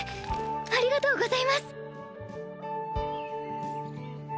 ありがとうございます